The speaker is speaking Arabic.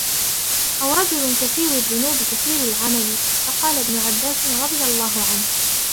أَوْ رَجُلٌ كَثِيرُ الذُّنُوبِ كَثِيرُ الْعَمَلِ ؟ فَقَالَ ابْنُ عَبَّاسٍ رَضِيَ اللَّهُ عَنْهُ